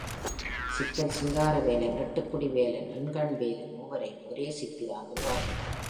சிக்கல் சிங்காரவேலன், எட்டுக் குடி வேலன், எண்கண் வேலன் மூவரையும் ஒரே சிற்பிதான் உருவாக்கினான்.